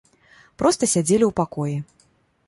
Проста сядзелі ў пакоі.